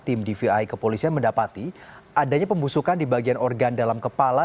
tim dvi kepolisian mendapati adanya pembusukan di bagian organ dalam kepala